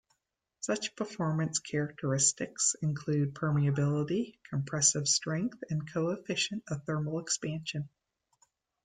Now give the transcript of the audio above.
Such performance characteristics include permeability, compressive strength, and coefficient of thermal expansion.